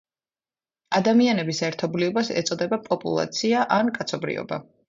ადამიანების ერთობლიობას ეწოდება პოპულაცია ან კაცობრიობა.